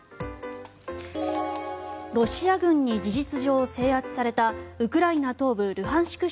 ロシア軍に事実上制圧されたウクライナ東部ルハンシク